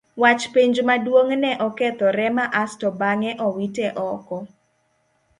Wach penj maduong' ne okethore ma asto bang'e owite oko.